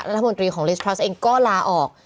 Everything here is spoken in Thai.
รัฐมนตรีของลิสพลัสเองก็ลาออก